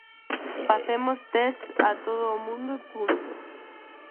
Facemos tests a todo o mundo e punto.